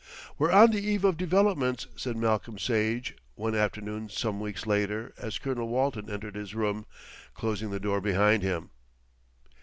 "We're on the eve of developments," said Malcolm Sage one afternoon some weeks later, as Colonel Walton entered his room, closing the door behind him.